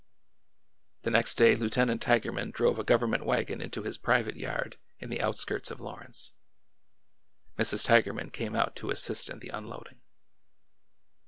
The next day Lieutenant Tigerman drove a government wagon into his private yard in the outskirts of Lawrence. Mrs. Tigerman came out to assist in the unloading.